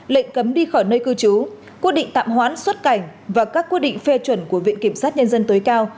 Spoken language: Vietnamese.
lệnh cấm đi khỏi nơi cư trú quy định tạm hoán xuất cảnh và các quy định phê chuẩn của viện kiểm sát nhân dân tối cao